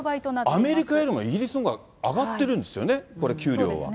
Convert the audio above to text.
アメリカよりもイギリスのほうが上がってるんですよね、これ、給料は。